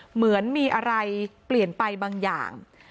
เหมือนมีอะไรเปลี่ยนไปบางอย่าง